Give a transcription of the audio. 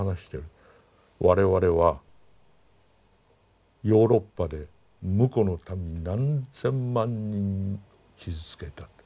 我々はヨーロッパでむこの民何千万人傷つけたと。